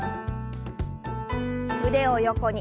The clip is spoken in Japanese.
腕を横に。